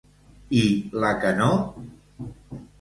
I la que no?